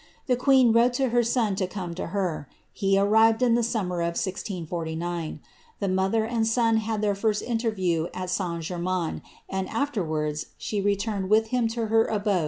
Tlie queen wrote to her son to come to her; he arrived in the summer of 1G4D. The mother and son had their first interview at St. Germains, and alter wards she returned with him to her abode at the Louvre."'